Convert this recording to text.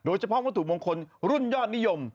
เฉพาะวัตถุมงคลรุ่นยอดนิยม